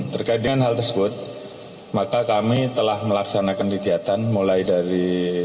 terkait dengan hal tersebut maka kami telah melaksanakan kegiatan mulai dari